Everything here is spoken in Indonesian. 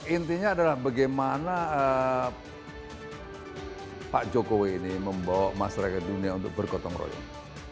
intinya adalah bagaimana pak jokowi ini membawa masyarakat dunia untuk bergotong royong